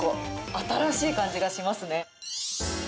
新しい感じがしますね。